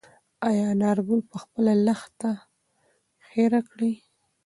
ایا انارګل به خپله لښته هېره کړي؟